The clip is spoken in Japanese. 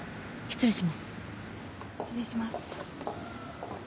失礼します。